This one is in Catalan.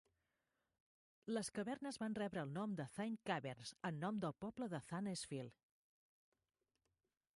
Les cavernes van rebre el nom de Zane Caverns, en nom del poble de Zanesfield.